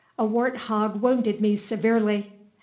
A wart hog wounded me severely."